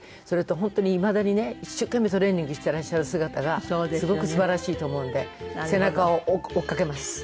それと本当にいまだにね一生懸命トレーニングしていらっしゃる姿がすごくすばらしいと思うんで背中を追いかけます。